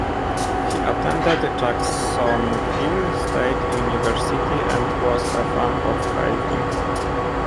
He attended Jacksonville State University and was a fan of caving.